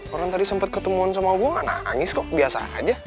orang tadi sempet ketemu sama gue ga nangis kok biasa aja